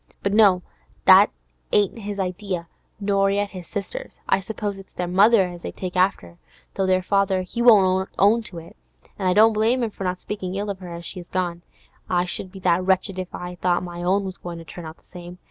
But no, that ain't his idea, nor yet his sister's. I suppose it's their mother as they take after, though their father he won't own to it, an' I don't blame him for not speakin' ill of her as is gone. I should be that wretched if I thought my own was goin' to turn out the same.